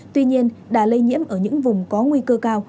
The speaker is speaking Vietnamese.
tuy nhiên đà lây nhiễm ở những vùng có nguy cơ cao